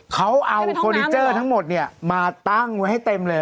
เขาเอาเฟอร์นิเจอร์ทั้งหมดมาตั้งไว้ให้เต็มเลย